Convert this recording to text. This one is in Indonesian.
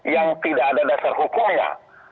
yang tidak ada dasar hukumnya